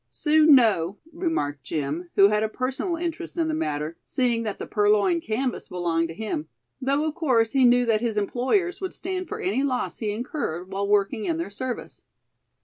"Soon know," remarked Jim, who had a personal interest in the matter, seeing that the purloined canvas belonged to him; though of course he knew that his employers would stand for any loss he incurred while working in their service.